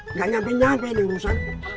enggak nyampe nyampe nih ustadz